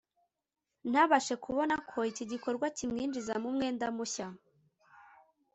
ntabashe kubona ko iki gikorwa kimwinjiza mu mwenda mushya